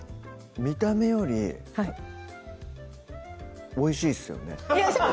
見た目よりはいおいしいっすよね